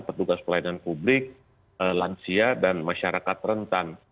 petugas pelayanan publik lansia dan masyarakat rentan